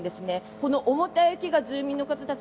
この重たい雪が住民の方たち